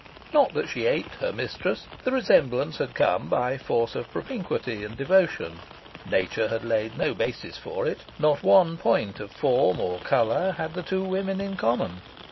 Not that she aped her mistress. The resemblance had come by force of propinquity and devotion. Nature had laid no basis for it. Not one point of form or colour had the two women in common.